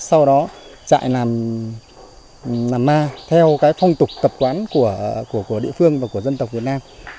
sau đó chạy làm ma theo cái phong tục tập quán của địa phương và của dân tộc việt nam